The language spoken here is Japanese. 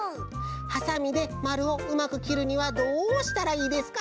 「はさみでまるをうまくきるにはどうしたらいいですか？」